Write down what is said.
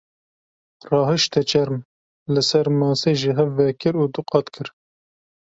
Rahişte çerm, li ser masê ji hev vekir û du qat kir.